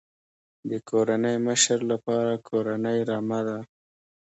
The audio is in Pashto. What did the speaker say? د کورنۍ مشر لپاره کورنۍ رمه ده.